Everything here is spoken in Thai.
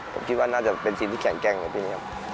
ผมคิดว่าน่าจะเป็นทีมที่แข่งแกร่งกัน